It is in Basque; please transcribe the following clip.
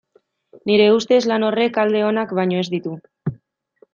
Nire ustez, lan horrek alde onak baino ez ditu.